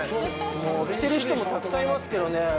もう着てる人もたくさんいますけどね。